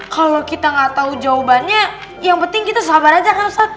kalau kita gak tau jawabannya yang penting kita sabar aja kan ustadz